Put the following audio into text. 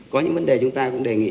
có những vấn đề chúng ta cũng đề nghị